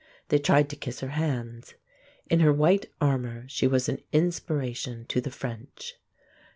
They tried to kiss her hands. In her white armor she was an inspiration to the French.